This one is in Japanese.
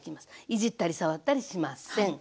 いじったり触ったりしません。